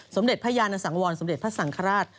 สมเด็จพระยานสังวรสมเด็จพระสังฆราช